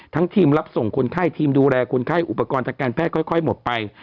ทีมรับส่งคนไข้ทีมดูแลคนไข้อุปกรณ์ทางการแพทย์ค่อยหมดไป